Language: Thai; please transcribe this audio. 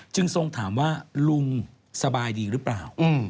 ทรงถามว่าลุงสบายดีหรือเปล่า